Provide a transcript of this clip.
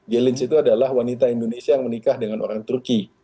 gelins itu adalah wanita indonesia yang menikah dengan orang turki